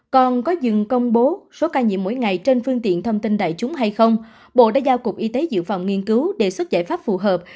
còn có dừng công bố số ca nhiễm mỗi ngày trên phương tiện thông tin đại chúng hay không bộ đã giao cục y tế dự phòng nghiên cứu đề xuất giải pháp phù hợp